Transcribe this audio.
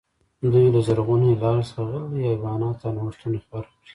دوی له زرغون هلال څخه غلې، حیوانات او نوښتونه خپاره کړي.